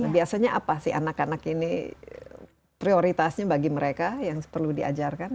biasanya apa sih anak anak ini prioritasnya bagi mereka yang perlu diajarkan